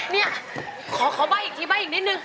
เนี่ยขอใบ้อีกทีใบ้อีกนิดนึง